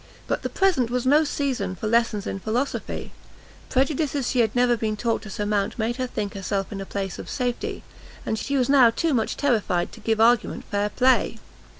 But the present was no season for lessons in philosophy; prejudices she had never been taught to surmount made her think herself in a place of safety, and she was now too much terrified to give argument fair play.